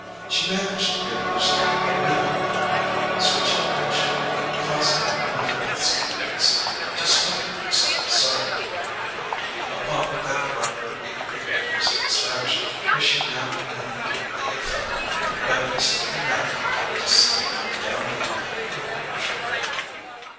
She managed to give herself a rhythmical, switching motion, causing her kneelength skirt to swing from side to side a pomp that brought her a great deal of satisfaction as she now and then caught the effect by twisting her neck enough to see down behind, over her shoulder.